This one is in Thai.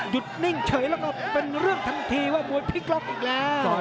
นิ่งเฉยแล้วก็เป็นเรื่องทันทีว่ามวยพลิกล็อกอีกแล้ว